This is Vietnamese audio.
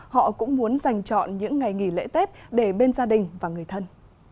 họ cũng muốn dành chọn những ngày nghỉ lễ tết để bên gia đình và người thân